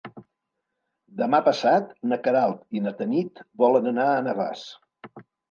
Demà passat na Queralt i na Tanit volen anar a Navàs.